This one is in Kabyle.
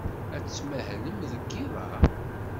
Ad tmahlem deg yiḍ-a?